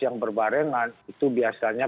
yang berbarengan itu biasanya